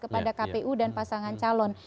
kepada kpu dan pasangan calon